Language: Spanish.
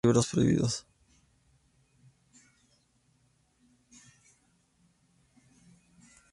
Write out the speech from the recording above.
Todas están en el "Índice" romano de libros prohibidos.